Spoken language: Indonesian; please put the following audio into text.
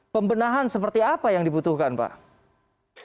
pembenahan seperti apa yang dibutuhkan pak